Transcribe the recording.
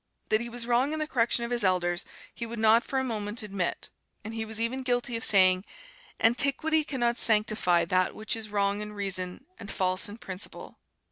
That he was wrong in the correction of his elders, he would not for a moment admit; and he was even guilty of saying, "Antiquity can not sanctify that which is wrong in reason and false in principle."